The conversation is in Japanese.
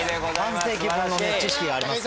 半世紀分の知識があります。